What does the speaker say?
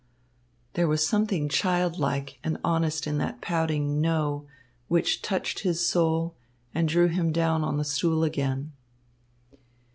There was something childlike and honest in that pouting "no" which touched his soul and drew him down on the stool again.